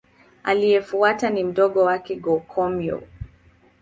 Aliyemfuata ni mdogo wake Go-Komyo.